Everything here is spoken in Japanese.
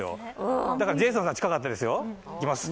だからジェイソンさん、近かったですよ。